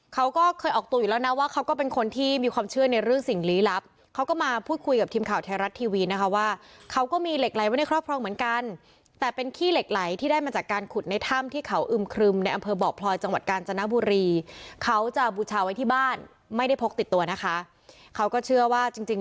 เขาก็เคยออกตัวอยู่แล้วนะว่าเขาก็เป็นคนที่มีความเชื่อในเรื่องสิ่งลี้ลับเขาก็มาพูดคุยกับทีมข่าวไทยรัฐทีวีนะคะว่าเขาก็มีเหล็กไหลไว้ในครอบครองเหมือนกันแต่เป็นขี้เหล็กไหลที่ได้มาจากการขุดในถ้ำที่เขาอึมครึมในอำเภอบ่อพลอยจังหวัดกาญจนบุรีเขาจะบูชาไว้ที่บ้านไม่ได้พกติดตัวนะคะเขาก็เชื่อว่าจริง